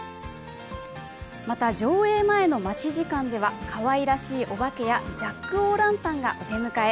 また、上映前の待ち時間ではかわいらしいおばけやジャック・オ・ランタンがお出迎え。